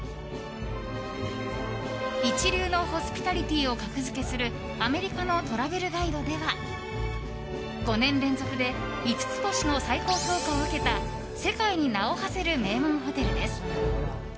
一流のホスピタリティーを格付けするアメリカのトラベルガイドでは５年連続で５つ星の最高評価を受けた世界に名を馳せる名門ホテルです。